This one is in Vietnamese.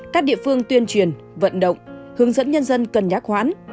các địa phương tuyên truyền vận động hướng dẫn nhân dân cần nhắc khoản